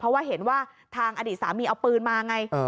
เพราะว่าเห็นว่าทางอดีตสามีเอาปืนมาไง